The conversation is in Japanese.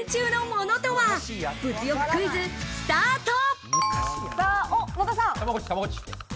物欲クイズ、スタート。